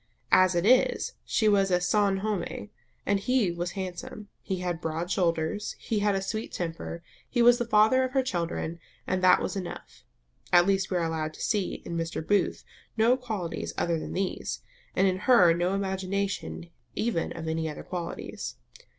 As it is, he was son homme; he was handsome; he had broad shoulders; he had a sweet temper; he was the father of her children, and that was enough. At least we are allowed to see in Mr. Booth no qualities other than these, and in her no imagination even of any other qualities.